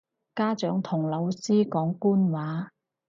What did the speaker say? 家長同老師講官話